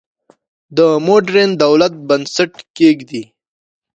د موډرن دولت بنسټ کېږدي.